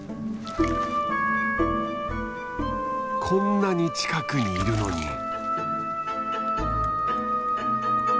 こんなに近くにいるのに。